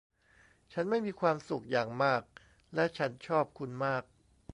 ฉันไม่มีความสุขอย่างมากและฉันชอบคุณมาก